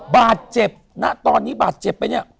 บาดเจ็บณตอนนี้บาดเจ็บไปเนี่ย